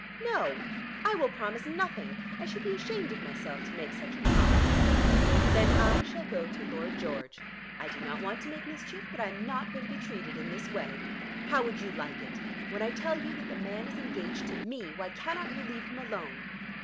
"No; I will promise nothing. I should be ashamed of myself to make such a promise." "Then I shall go to Lord George. I do not want to make mischief, but I am not going to be treated in this way. How would you like it? When I tell you that the man is engaged to me why cannot you leave him alone?"